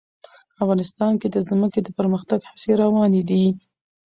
افغانستان کې د ځمکه د پرمختګ هڅې روانې دي.